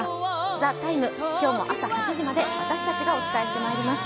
「ＴＨＥＴＩＭＥ，」、今日も朝８時まで私たちがお伝えしてまいります。